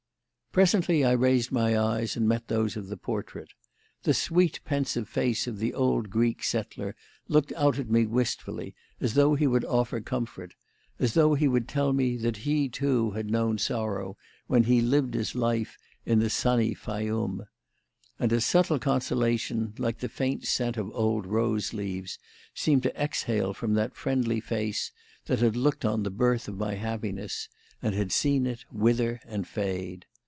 Presently I raised my eyes and met those of the portrait. The sweet, pensive face of the old Greek settler looked out at me wistfully as though he would offer comfort; as though he would tell me that he, too, had known sorrow when he lived his life in the sunny Fayyum. And a subtle consolation, like the faint scent of old rose leaves, seemed to exhale from that friendly face that had looked on the birth of my happiness and had seen it wither and fade.